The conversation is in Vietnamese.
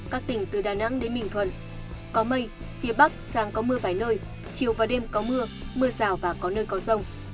các tỉnh từ đà nẵng đến bình thuận có mây phía bắc sáng có mưa vài nơi chiều và đêm có mưa mưa rào và có nơi có rông